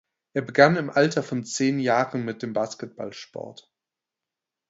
Er begann im Alter von zehn Jahren mit dem Basketballsport.